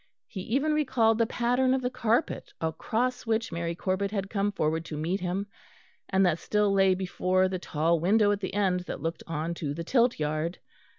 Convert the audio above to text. He even recalled the pattern of the carpet across which Mary Corbet had come forward to meet him, and that still lay before the tall window at the end that looked on to the Tilt yard.